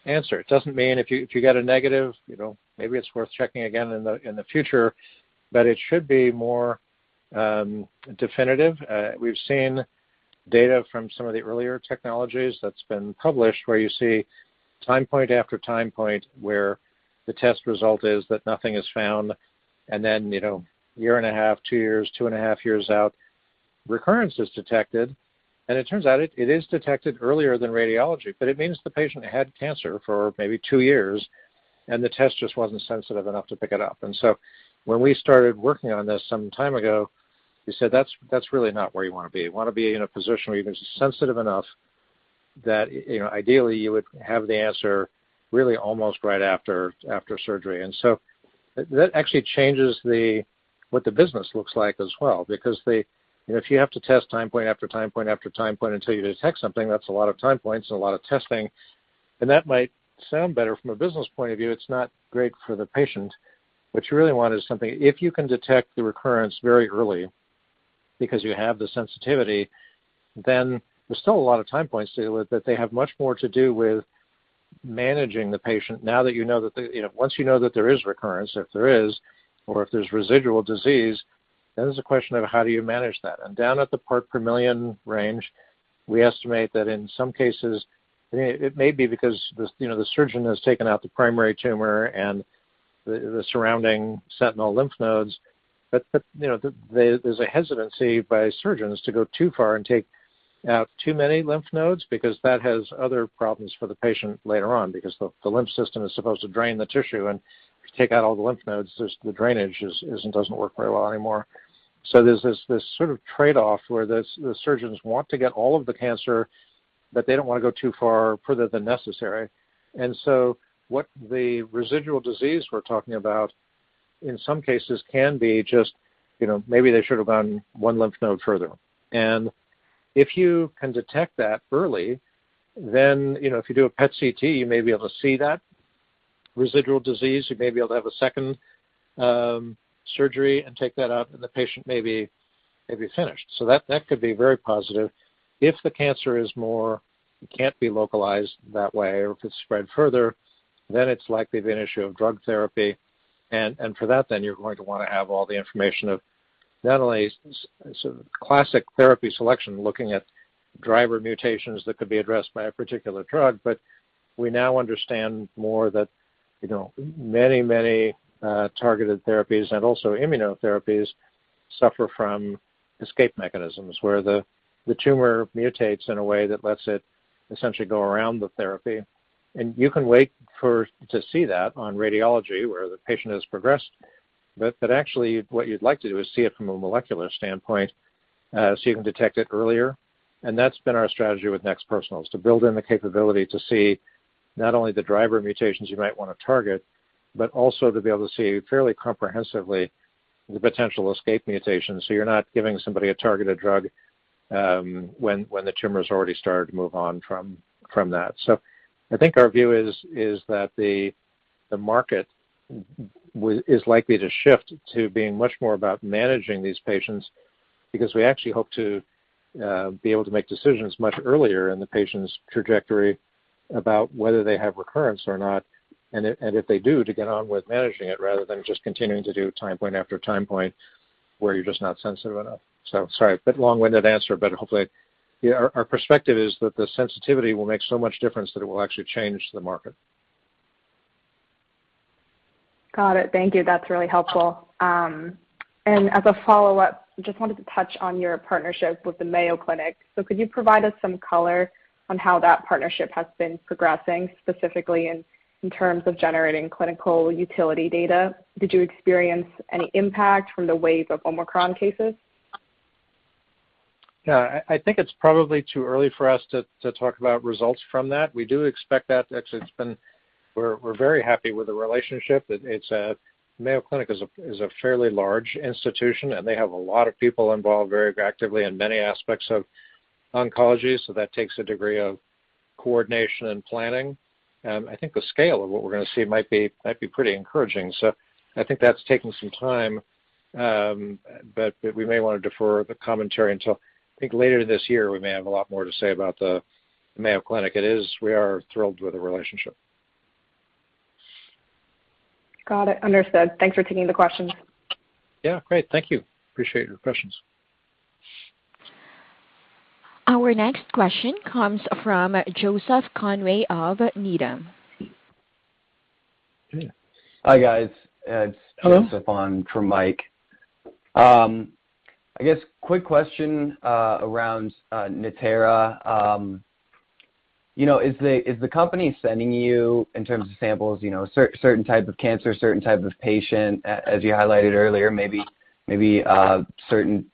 answer. It doesn't mean if you get a negative, you know, maybe it's worth checking again in the future, but it should be more definitive. We've seen data from some of the earlier technologies that's been published where you see time point after time point where the test result is that nothing is found and then, you know, 1.5 years, two years, 2.5 years out, recurrence is detected. It turns out it is detected earlier than radiology, but it means the patient had cancer for maybe two years, and the test just wasn't sensitive enough to pick it up. When we started working on this some time ago, we said, "That's really not where you want to be." You want to be in a position where you're sensitive enough that, you know, ideally you would have the answer really almost right after surgery. That actually changes what the business looks like as well because if you have to test time point after time point after time point until you detect something, that's a lot of time points and a lot of testing. That might sound better from a business point of view. It's not great for the patient. What you really want is something, if you can detect the recurrence very early because you have the sensitivity, then there's still a lot of time points to it, but they have much more to do with managing the patient now that you know that. You know, once you know that there is recurrence, if there is, or if there's residual disease, then there's a question of how do you manage that? Down at the part per million range, we estimate that in some cases, it may be because the, you know, the surgeon has taken out the primary tumor and the surrounding sentinel lymph nodes. You know, there's a hesitancy by surgeons to go too far and take out too many lymph nodes because that has other problems for the patient later on, because the lymph system is supposed to drain the tissue, and if you take out all the lymph nodes, the drainage doesn't work very well anymore. There's this sort of trade-off where the surgeons want to get all of the cancer, but they don't want to go too far further than necessary. What the residual disease we're talking about in some cases can be just, you know, maybe they should have gone one lymph node further. If you can detect that early, then, you know, if you do a PET/CT, you may be able to see that residual disease. You may be able to have a second surgery and take that out, and the patient may be finished. That could be very positive. If the cancer is more, it can't be localized that way or if it's spread further, then it's likely to be an issue of drug therapy. For that, then you're going to want to have all the information of not only sort of classic therapy selection, looking at driver mutations that could be addressed by a particular drug, but we now understand more that, you know, many targeted therapies and also immunotherapies suffer from escape mechanisms where the tumor mutates in a way that lets it essentially go around the therapy. You can wait to see that on radiology, where the patient has progressed. Actually what you'd like to do is see it from a molecular standpoint, so you can detect it earlier. That's been our strategy with NeXT Personal is to build in the capability to see not only the driver mutations you might want to target, but also to be able to see fairly comprehensively the potential escape mutations so you're not giving somebody a targeted drug, when the tumor's already started to move on from that. I think our view is that the market is likely to shift to being much more about managing these patients because we actually hope to be able to make decisions much earlier in the patient's trajectory about whether they have recurrence or not, and if they do, to get on with managing it rather than just continuing to do time point after time point where you're just not sensitive enough. Sorry, a bit long-winded answer, but hopefully our perspective is that the sensitivity will make so much difference that it will actually change the market. Got it. Thank you. That's really helpful. As a follow-up, just wanted to touch on your partnership with the Mayo Clinic. Could you provide us some color on how that partnership has been progressing, specifically in terms of generating clinical utility data? Did you experience any impact from the wave of Omicron cases? Yeah. I think it's probably too early for us to talk about results from that. We do expect that. We're very happy with the relationship. Mayo Clinic is a fairly large institution, and they have a lot of people involved very actively in many aspects of oncology, so that takes a degree of coordination and planning. I think the scale of what we're going to see might be pretty encouraging. I think that's taking some time, but we may want to defer the commentary until, I think, later this year. We may have a lot more to say about the Mayo Clinic. We are thrilled with the relationship. Got it. Understood. Thanks for taking the question. Yeah. Great. Thank you. Appreciate your questions. Our next question comes from Joseph Conway of Needham. Okay. Hi, guys. Hello. Joseph on for Mike. I guess quick question around Natera. You know, is the company sending you, in terms of samples, you know, certain type of cancer, certain type of patient, as you highlighted earlier, maybe certain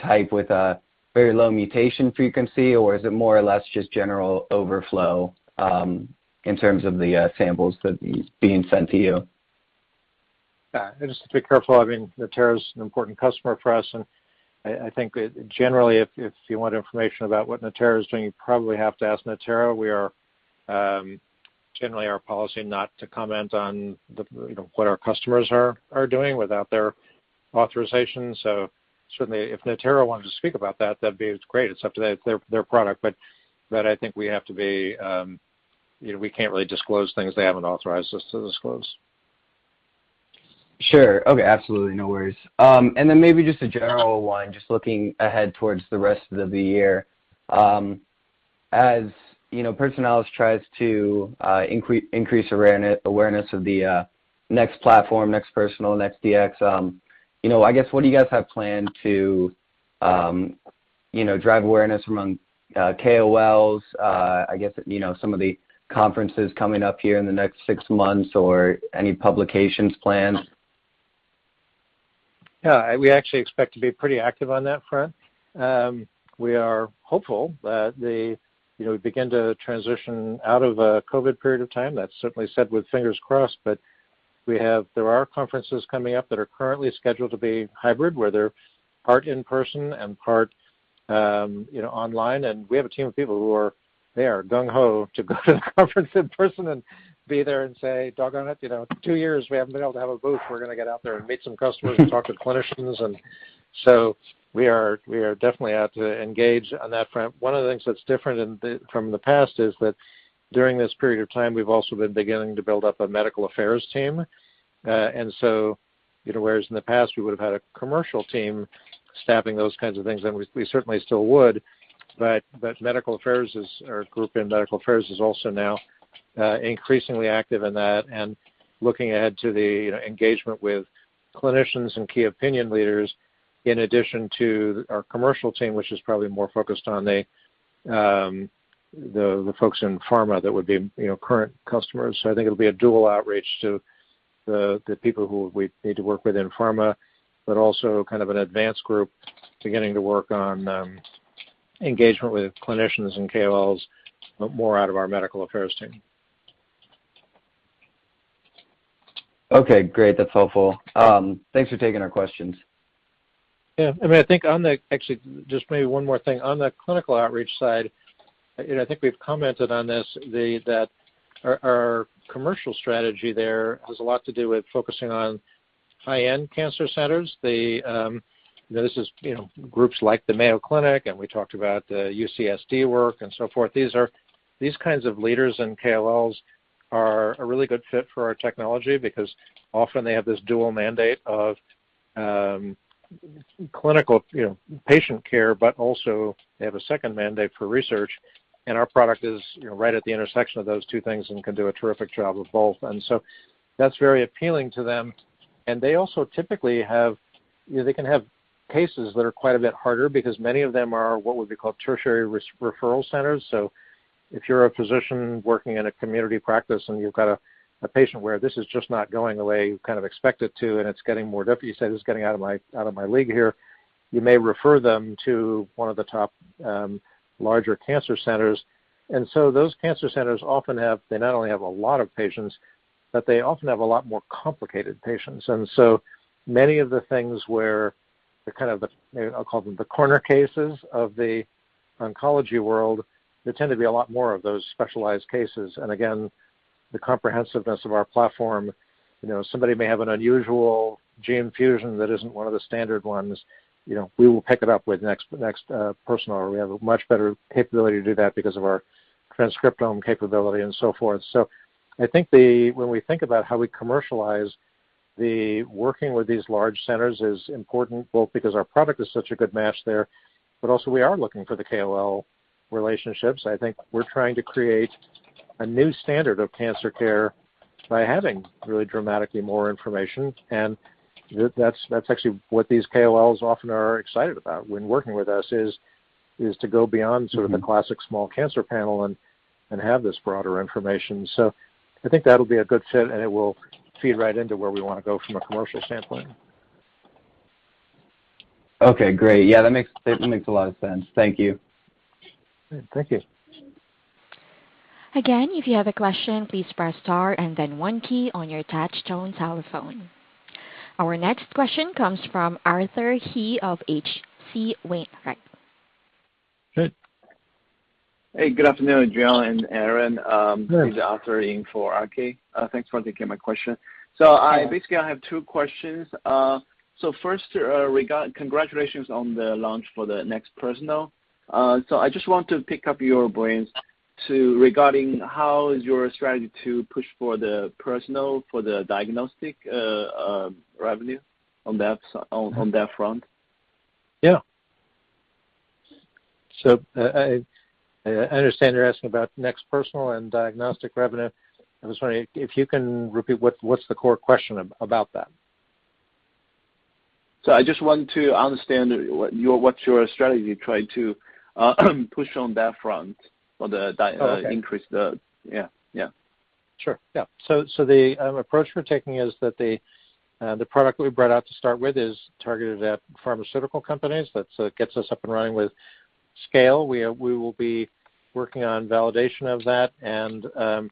type with a very low mutation frequency, or is it more or less just general overflow, in terms of the samples that is being sent to you? Yeah, just to be careful, I mean, Natera's an important customer for us, and I think generally if you want information about what Natera is doing, you probably have to ask Natera. We are generally our policy not to comment on the, you know, what our customers are doing without their authorization. So certainly if Natera wanted to speak about that'd be great. It's up to them, their product. But I think we have to be, you know, we can't really disclose things they haven't authorized us to disclose. Sure. Okay, absolutely no worries. Maybe just a general one, just looking ahead towards the rest of the year. As you know, Personalis tries to increase awareness of the NeXT platform, NeXT Personal, NeXT Dx, you know, I guess what do you guys have planned to, you know, drive awareness among KOLs, I guess, you know, some of the conferences coming up here in the next six months or any publications planned? Yeah, we actually expect to be pretty active on that front. We are hopeful that we begin to transition out of a COVID period of time. That's certainly said with fingers crossed, but there are conferences coming up that are currently scheduled to be hybrid, where they're part in person and part online. We have a team of people who are Gung-ho to go to the conference in person and be there and say, "Doggone it, you know, two years we haven't been able to have a booth. We're gonna get out there and meet some customers and talk to clinicians." We are definitely out to engage on that front. One of the things that's different in the from the past is that during this period of time, we've also been beginning to build up a medical affairs team. You know, whereas in the past we would've had a commercial team staffing those kinds of things, and we certainly still would, but our medical affairs group is also now increasingly active in that and looking ahead to the, you know, engagement with clinicians and key opinion leaders, in addition to our commercial team, which is probably more focused on the the folks in pharma that would be, you know, current customers. I think it'll be a dual outreach to the people who we need to work with in pharma, but also kind of an advanced group beginning to work on engagement with clinicians and KOLs, but more out of our medical affairs team. Okay, great. That's helpful. Thanks for taking our questions. Yeah. I mean, I think on the clinical outreach side, you know, I think we've commented on this, that our commercial strategy there has a lot to do with focusing on high-end cancer centers. This is, you know, groups like the Mayo Clinic, and we talked about the UCSD work and so forth. These kinds of leaders in KOLs are a really good fit for our technology because often they have this dual mandate of clinical, you know, patient care, but also they have a second mandate for research, and our product is, you know, right at the intersection of those two things and can do a terrific job of both. That's very appealing to them. They also typically have, you know, they can have cases that are quite a bit harder because many of them are what would be called tertiary referral centers. If you're a physician working in a community practice and you've got a patient where this is just not going the way you kind of expect it to, and it's getting more difficult, you say, "This is getting out of my league here," you may refer them to one of the top, larger cancer centers. Those cancer centers often have they not only a lot of patients, but they often have a lot more complicated patients. Many of the things where they're kind of the, you know, I'll call them the corner cases of the oncology world, there tend to be a lot more of those specialized cases. Again, the comprehensiveness of our platform, you know, somebody may have an unusual gene fusion that isn't one of the standard ones, you know, we will pick it up with NeXT Personal. We have a much better capability to do that because of our transcriptome capability and so forth. I think when we think about how we commercialize the working with these large centers is important, both because our product is such a good match there, but also we are looking for the KOL relationships. I think we're trying to create a new standard of cancer care by having really dramatically more information. That's actually what these KOLs often are excited about when working with us is to go beyond sort of the classic small cancer panel and have this broader information. I think that'll be a good fit, and it will feed right into where we wanna go from a commercial standpoint. Okay, great. Yeah, that makes a lot of sense. Thank you. Good. Thank you. Again, if you have a question, please press star and then one key on your touchtone telephone. Our next question comes from Arthur He of H.C. Wainwright. Good. Hey, good afternoon, John and Aaron. Good. This is Arthur He for RK. Thanks for taking my question. So I- Yeah. Basically I have two questions. First, congratulations on the launch for the NeXT Personal. I just want to pick your brains regarding how is your strategy to push for the NeXT Personal, for the diagnostic revenue on that front? Yeah. I understand you're asking about NeXT Personal and diagnostic revenue. I'm sorry, if you can repeat, what's the core question about that? I just want to understand what's your strategy trying to push on that front or the di- increase. Okay. Yeah. Yeah. Sure. Yeah. The approach we're taking is that the product we brought out to start with is targeted at pharmaceutical companies. That gets us up and running with scale. We will be working on validation of that and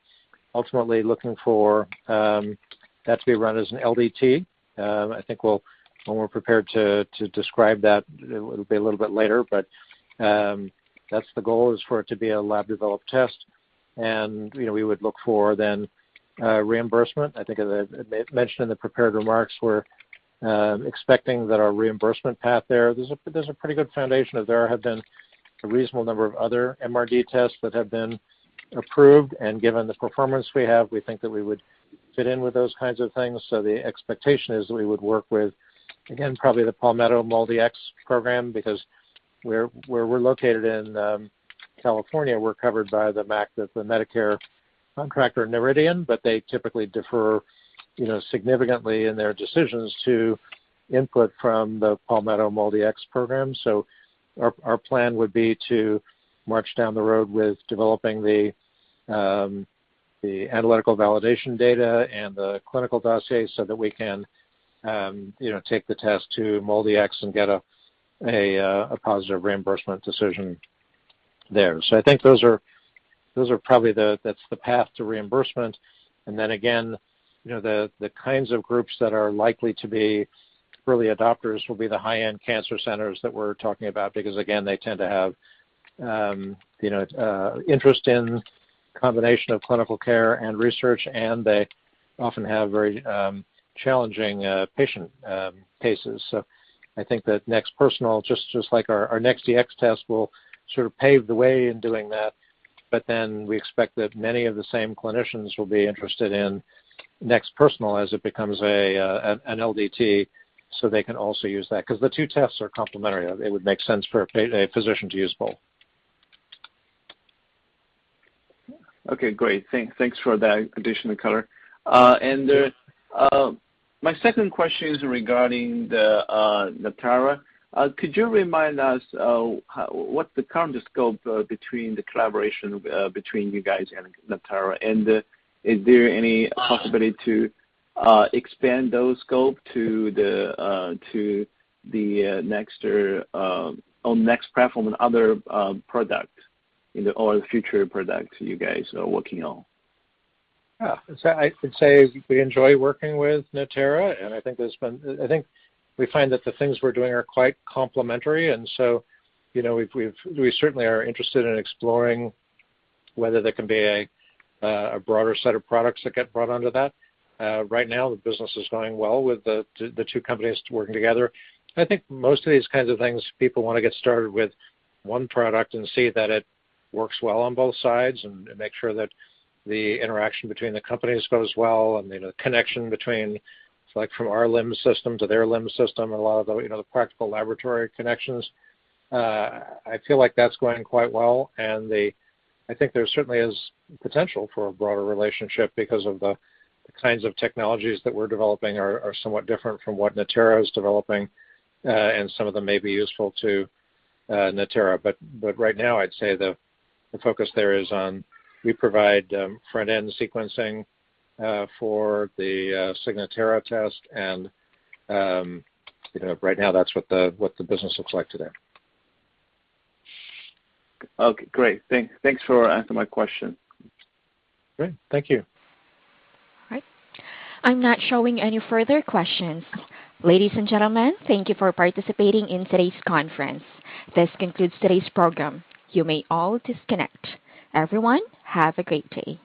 ultimately looking for that to be run as an LDT. I think we'll when we're prepared to describe that it'll be a little bit later, but that's the goal is for it to be a lab-developed test. You know, we would look for then reimbursement. I think as I mentioned in the prepared remarks, we're expecting that our reimbursement path there's a pretty good foundation, as there have been a reasonable number of other MRD tests that have been approved. Given the performance we have, we think that we would fit in with those kinds of things. The expectation is we would work with, again, probably the Palmetto MolDx program because where we're located in California, we're covered by the MAC that the Medicare contractor Noridian, but they typically defer, you know, significantly in their decisions to input from the Palmetto MolDx program. Our plan would be to march down the road with developing the analytical validation data and the clinical dossier so that we can, you know, take the test to MolDx and get a positive reimbursement decision there. I think those are probably that's the path to reimbursement. Again, you know, the kinds of groups that are likely to be early adopters will be the high-end cancer centers that we're talking about. Because, again, they tend to have interest in combination of clinical care and research, and they often have very challenging patient cases. I think that NeXT Personal, just like our NeXT Dx test, will sort of pave the way in doing that. We expect that many of the same clinicians will be interested in NeXT Personal as it becomes an LDT, so they can also use that. 'Cause the two tests are complementary. It would make sense for a physician to use both. Okay, great. Thanks for that additional color. My second question is regarding Natera. Could you remind us what the current scope between the collaboration between you guys and Natera? Is there any possibility to expand those scope to the Next or Next platform and other product or the future products you guys are working on? Yeah. I would say we enjoy working with Natera, and I think we find that the things we're doing are quite complementary. You know, we certainly are interested in exploring whether there can be a broader set of products that get brought under that. Right now, the business is going well with the two companies working together. I think most of these kinds of things, people wanna get started with one product and see that it works well on both sides and make sure that the interaction between the companies goes well and, you know, the connection between, it's like from our LIMS system to their LIMS system and a lot of the, you know, the practical laboratory connections. I feel like that's going quite well. The, I think there certainly is potential for a broader relationship because of the kinds of technologies that we're developing are somewhat different from what Natera is developing, and some of them may be useful to Natera. Right now I'd say the focus there is on we provide front-end sequencing for the Signatera test and, you know, right now that's what the business looks like today. Okay, great. Thanks for answering my question. Great. Thank you. All right. I'm not showing any further questions. Ladies and gentlemen, thank you for participating in today's conference. This concludes today's program. You may all disconnect. Everyone, have a great day.